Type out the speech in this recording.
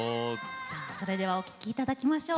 さあそれではお聴き頂きましょう。